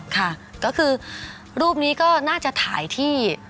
ค่ะก็คือรูปนี้ก็น่าจะถ่ายที่